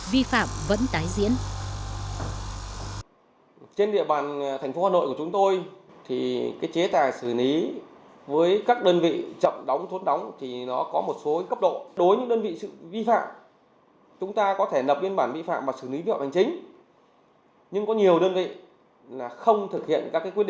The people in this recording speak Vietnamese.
vi phạm vẫn tái diễn